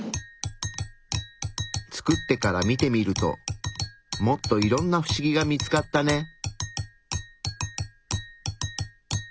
作ってから見てみるともっといろんなフシギが見つかったね。